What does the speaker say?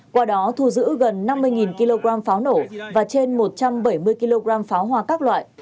qua đó thu giữ gần năm mươi kg pháo nổ và trên một trăm bảy mươi kg pháo hoa các loại